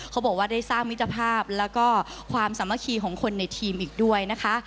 เขาบอกว่าได้สร้างมิตรภาพแล้วก็ความสามัคคีของคนในทีมอีกด้วยนะคะ